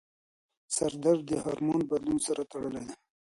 سردرد د هارمون بدلون سره تړلی دی.